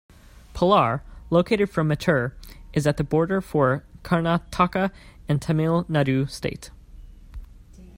Palar, located from Mettur, is at the border for Karnataka and Tamil Nadu State.